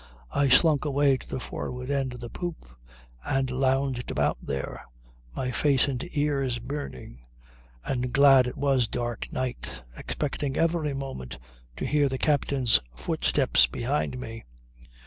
I slunk away to the forward end of the poop and lounged about there, my face and ears burning and glad it was a dark night, expecting every moment to hear the captain's footsteps behind me.